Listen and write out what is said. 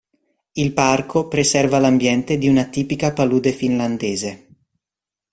Il parco preserva l'ambiente di una tipica palude finlandese.